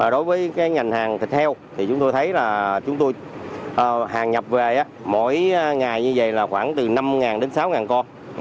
đối với ngành hàng thịt heo thì chúng tôi thấy là chúng tôi hàng nhập về mỗi ngày như vậy là khoảng từ năm đến sáu con